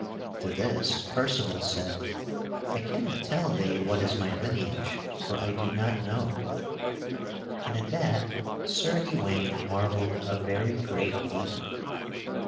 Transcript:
To this Percival said, "I cannot tell thee what is my lineage, for I do not know," and at that Sir Ewaine marvelled a very great deal.